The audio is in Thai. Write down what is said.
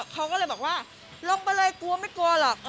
เขาก็เลยบอกว่าลงไปเลยกลัวไม่กลัวหรอก